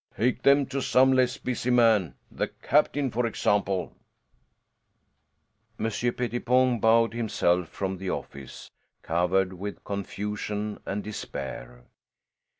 "Take them to some less busy man. The captain, for example." Monsieur Pettipon bowed himself from the office, covered with confusion and despair.